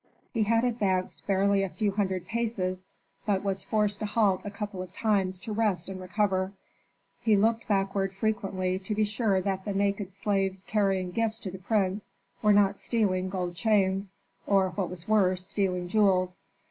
He had advanced barely a few hundred paces, but he was forced to halt a couple of times to rest and recover. He looked backward frequently to be sure that the naked slaves carrying gifts to the prince were not stealing gold chains, or what was worse, stealing jewels.